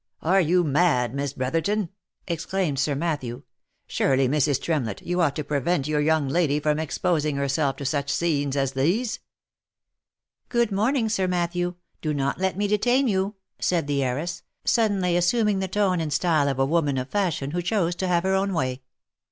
Are you mad, Miss Brotherton !" exclaimed Sir Matthew. " Surely, Mrs. Tremlett, you ought to prevent your young lady from exposing herself to such scenes as these." " Good morning, Sir Matthew, do not let me detain you," said the heiress, suddenly assuming the tone and style of a woman of fashion who chose to have her own way.